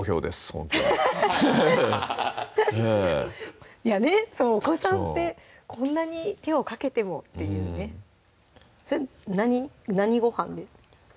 ほんとにお子さんってこんなに手をかけてもっていうねそれ何ご飯で？